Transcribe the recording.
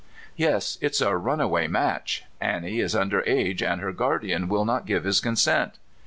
"*' Yes; it's a runaway match. Annie is under age, and her guardian will not give his consent."